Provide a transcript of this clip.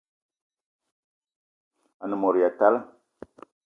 A-ne mot ya talla